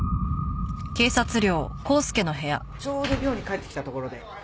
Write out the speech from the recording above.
ちょうど寮に帰ってきたところでええ。